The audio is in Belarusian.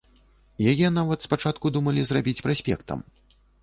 Яе нават спачатку думалі зрабіць праспектам.